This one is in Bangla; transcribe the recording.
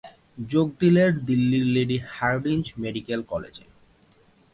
যোগ দিলেন দিল্লির লেডি হার্ডিঞ্জ মেডিক্যাল কলেজে।